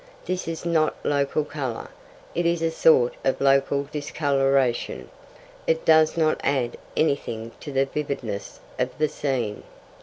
This is not local colour; it is a sort of local discoloration. It does not add anything to the vividness of the scene.